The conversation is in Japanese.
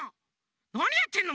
なにやってんの！？